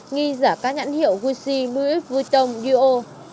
nghi giả các nhãn hiệu wuxi buf vui tông duo